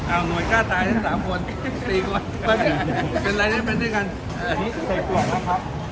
อ้าวหน่วยกล้าตาย๓คน๔คนเป็นอะไรเป็นด้วยกันอันนี้ใส่ปลวกแล้วครับ